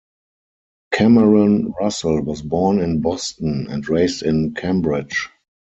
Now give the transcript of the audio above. Cameron Russell was born in Boston, and raised in Cambridge.